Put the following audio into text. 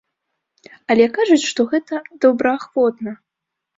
Але кажуць, што гэта добраахвотна.